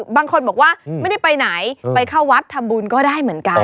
บางคนบอกว่าไม่ได้ไปไหนไปเข้าวัดทำบุญก็ได้เหมือนกัน